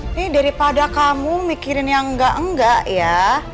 ini daripada kamu mikirin yang engga engga ya